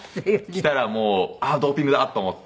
来たらもうドーピングだと思って。